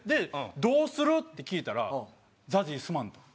「どうする？」って聞いたら「ＺＡＺＹすまん」と。